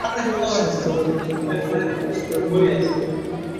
স্বাস্থ্যলাভের জন্য আমাকে এক মাস দার্জিলিঙে থাকতে হয়েছিল।